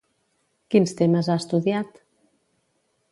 Quins temes ha estudiat?